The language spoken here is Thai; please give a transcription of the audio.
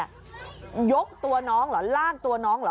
ยกตัวน้องเหรอลากตัวน้องเหรอ